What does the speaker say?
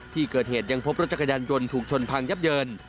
ที่เกิดเหตุยังพบรถจักรยานยนต์ถูกชนพังยับเยิน